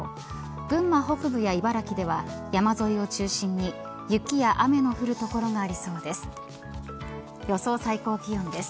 群馬北部や茨城では山沿いを中心に雪や雨の降る所がありそうです。